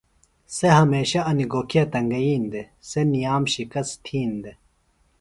سےۡ ہمیشہ انیۡ گوکھِیہ تنگئین دےۡ سےۡ نِیام شِکست تِھین دےۡ